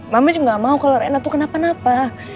mama juga gak mau kalo rena tuh kenapa napa